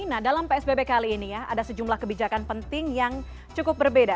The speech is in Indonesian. nah dalam psbb kali ini ya ada sejumlah kebijakan penting yang cukup berbeda